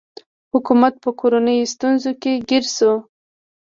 حکومت په کورنیو ستونزو کې ګیر شو.